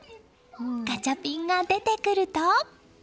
ガチャピンが出てくると。